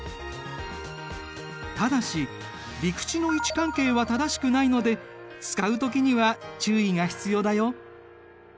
ただし陸地の位置関係は正しくないので使う時には注意が必要だよ。